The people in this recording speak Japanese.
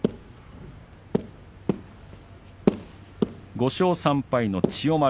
５勝３敗の千代丸